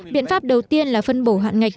biện pháp đầu tiên là phân bổ hạn ngạch